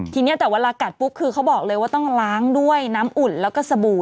ทีนี้แต่เวลากัดปุ๊บคือเขาบอกเลยว่าต้องล้างด้วยน้ำอุ่นแล้วก็สบู่